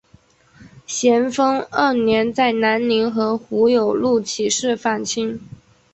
咸丰二年在南宁和胡有禄起事反清。